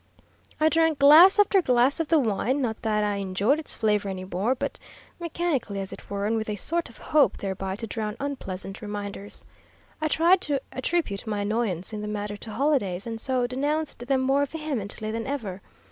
I drank glass after glass of the wine not that I enjoyed its flavour any more, but mechanically, as it were, and with a sort of hope thereby to drown unpleasant reminders. I tried to attribute my annoyance in the matter to holidays, and so denounced them more vehemently than ever.